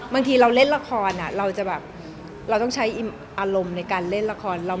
บางทีเราเล่นละครเราจะแบบเราต้องใช้อารมณ์ในการเล่นละคร